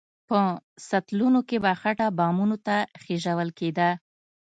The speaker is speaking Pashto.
په سطلونو کې به خټه بامونو ته خېژول کېده.